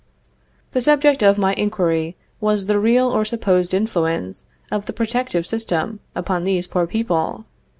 The subject of my inquiry was the real or supposed influence of the protective system upon these poor people.